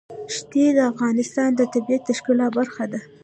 ښتې د افغانستان د طبیعت د ښکلا برخه ده.